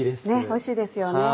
おいしいですよね。